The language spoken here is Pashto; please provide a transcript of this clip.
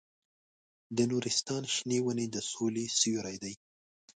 د نورستان شنې ونې د سولې سیوري دي.